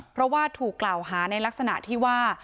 เพราะว่าถูกกล่าวหาในลักษณะที่ว่า